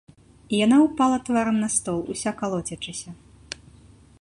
І яна ўпала тварам на стол, уся калоцячыся.